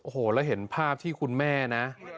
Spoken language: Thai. โอ้โหแล้วเห็นภาพที่คุณแม่นะ